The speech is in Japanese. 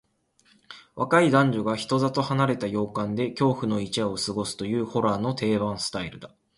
若い男女が人里離れた洋館で恐怖の一夜を過ごすという、ホラーの定番スタイルだ。